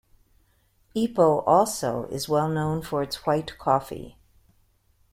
Ipoh also is well known for its white coffee.